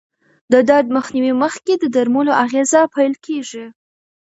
د درد مخنیوي مخکې د درملو اغېزه پېل کېږي.